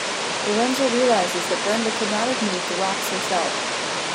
Lorenzo realizes that Brenda could not have moved the rocks herself.